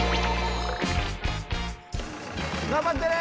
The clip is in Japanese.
頑張ってね！